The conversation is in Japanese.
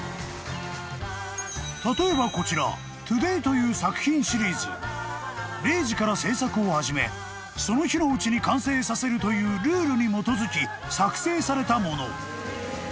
［例えばこちら『Ｔｏｄａｙ』という作品シリーズ］［０時から制作を始めその日のうちに完成させるというルールに基づき作製されたもの］